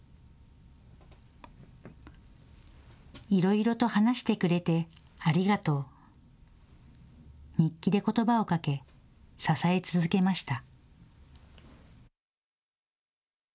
いろいろと話してくれてありがとう、日記でことばをかけ支え続けました。